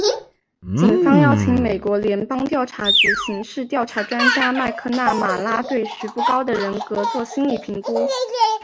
警方邀请美国联邦调查局刑事调查专家麦克纳马拉对徐步高的人格作心理评估。